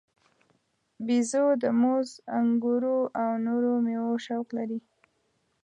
بیزو د موز، انګورو او نورو میوو شوق لري.